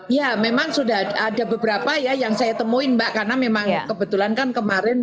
ya memang sudah ada beberapa ya yang saya temuin mbak karena memang kebetulan kan kemarin